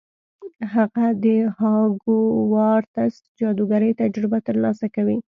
هغه د هاګوارتس جادوګرۍ تجربه ترلاسه کوي.